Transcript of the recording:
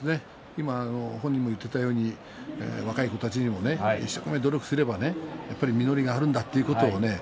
今、本人も言っていたように若い子たちにも一生懸命、努力すれば実りがあるんだということをね。